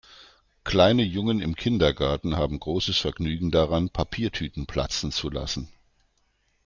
Kleine Jungen im Kindergarten haben großes Vergnügen daran, Papiertüten platzen zu lassen.